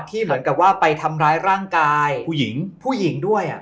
ที่เหลือกับว่าไปทำร้ายร่างกายผู้หญิงด้วย